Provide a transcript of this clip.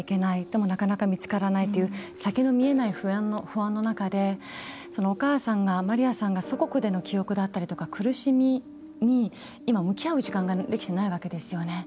でも、なかなか見つからないという先の見えない不安の中でお母さんのマリアさんが祖国での記憶だったり苦しみに今、向き合う時間ができてないわけですよね。